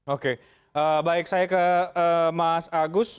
oke baik saya ke mas agus